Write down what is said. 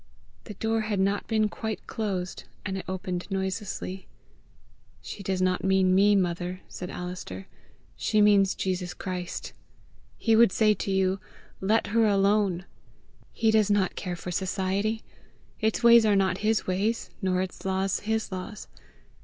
The door had not been quite closed, and it opened noiselessly. "She does not mean me, mother," said Alister; "she means Jesus Christ. He would say to you, LET HER ALONE. He does not care for Society. Its ways are not his ways, nor its laws his laws.